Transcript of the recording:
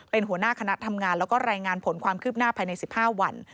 เป็นหัวหน้าคณะทำงานแล้วก็รายงานผลความคืบหน้าภายใน๑๕วัน